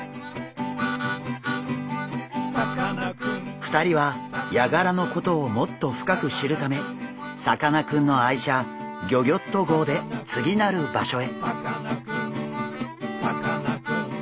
２人はヤガラのことをもっと深く知るためさかなクンの愛車ギョギョッと号で次なる場所へ。